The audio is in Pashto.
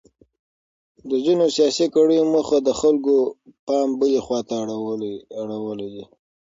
د ځینو سیاسي کړیو موخه د خلکو پام بلې خواته اړول دي.